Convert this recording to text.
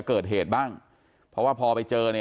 อยู่ดีมาตายแบบเปลือยคาห้องน้ำได้ยังไง